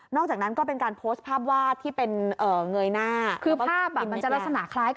อกจากนั้นก็เป็นการโพสต์ภาพวาดที่เป็นเอ่อเงยหน้าคือภาพอ่ะมันจะลักษณะคล้ายกับ